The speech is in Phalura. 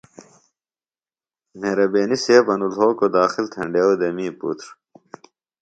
مہربینیۡ سیب ـ انوۡ لھوکوۡ داخل تھینڈیوۡ دےۡ می پُتر۔